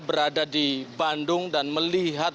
berada di bandung dan melihat